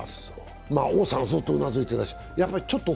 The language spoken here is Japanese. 王さんは、ずっとうなずいてらした。